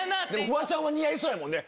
フワちゃん似合いそうやもんね